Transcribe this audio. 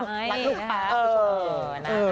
วันลูกป่าว